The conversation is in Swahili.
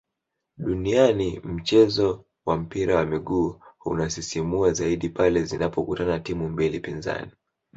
duniani mchezo wa mpira wa miguu hunasisimua zaidi pale zinapokutana timu mbili pinzani